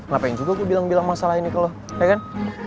ngapain juga gue bilang bilang masalah ini kalau ya kan